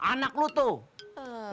anak lu tuh